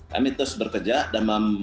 kami terus bekerja dan